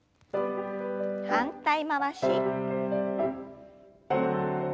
反対回し。